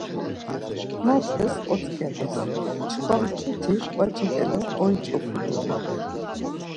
Moxtes otzǩedes çkva mtuti ǩvaci ǩele oiç̌opu doren.